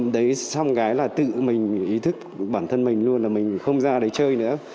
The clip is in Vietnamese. đấy xong cái là tự mình ý thức bản thân mình luôn là mình không ra đấy chơi nữa